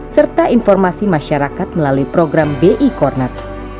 serta informasi masyarakat melalui program bi cornet